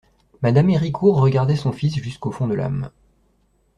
Mme Héricourt regardait son fils jusqu'au fond de l'âme.